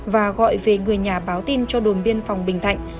và gọi về người nhà báo tin cho đồn biên phòng bình thạnh